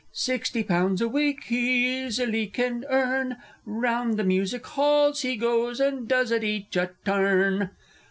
Sixty pounds a week he Easily can earn; Round the Music Halls he goes, And does at each a "turn." _Illustration.